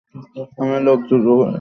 আমিও লোক জড়ো করে যুদ্ধ করেছি।